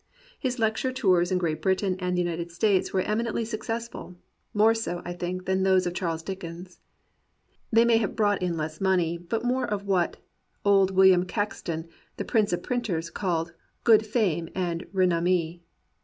His lecture tours in Great Britain and the United States were emi 110 THACKERAY AND REAL MEN nently successful — more so, I think, than those of Charles Dickens. They may have brought in less money, but more of what old William Caxton, the prince of printers, called "good fame and re nommee."